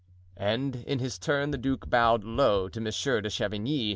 And in his turn the duke bowed low to Monsieur de Chavigny.